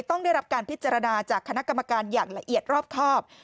ต้องได้รับการพิจารณาจากคณะกรรมการอย่างละเอียดรอบครอบ